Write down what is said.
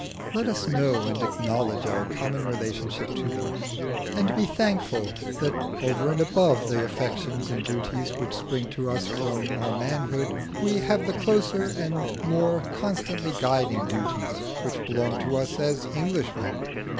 Let us know and acknowledge our common relationship to them, and be thankful that over and above the affections and duties which spring from our manhood, we have the closer and more constantly guiding duties which belong to us as Englishmen."